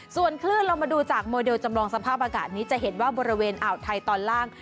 ส่วนคลื่นเรามาดูจากโมเดลจำลองสภาพอากาศนี้จะเห็นว่าบริเวณอ่าวไทยตอนล่าง